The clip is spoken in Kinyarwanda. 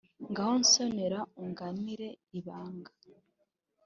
Ngaho nsonera unganire ibanga